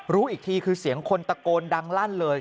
รู้อีกทีคือเสียงคนตะโกนดังลั่นเลย